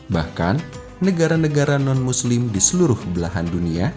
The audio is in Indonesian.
bahkan negara negara non muslim di seluruh belahan dunia